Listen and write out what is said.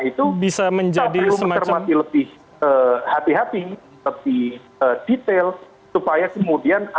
nah oleh karena itu saya perlu menerima lebih hati hati lebih detail supaya kemudian ada yang berpikir